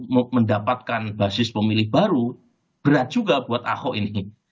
jadi lagi lagi kita mendapatkan basis pemilih baru berat juga buat ahok ini